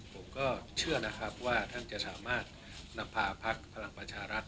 ผมก็เชื่อนะครับว่าท่านจะสามารถนำพาพักพลังประชารัฐ